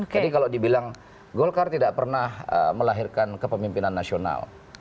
jadi kalau dibilang golkar tidak pernah melahirkan kepemimpinan nasional